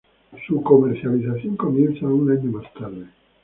Su comercialización comienza un año más tarde.